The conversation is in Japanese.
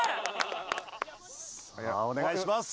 さあお願いします。